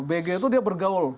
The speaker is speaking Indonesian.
bg itu dia bergaul